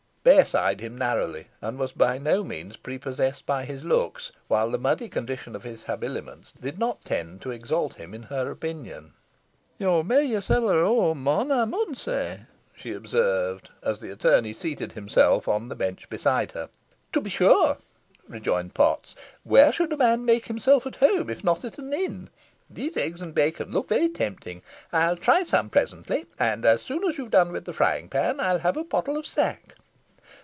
Bess eyed him narrowly, and was by no means prepossessed by his looks, while the muddy condition of his habiliments did not tend to exalt him in her opinion. "Yo mey yersel a' whoam, mon, ey mun say," she observed, as the attorney seated himself on the bench beside her. "To be sure," rejoined Potts; "where should a man make himself at home, if not at an inn? Those eggs and bacon look very tempting. I'll try some presently; and, as soon as you've done with the frying pan, I'll have a pottle of sack."